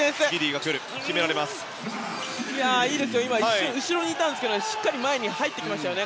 今、一瞬後ろにいたんですがしっかり前に入ってきましたよね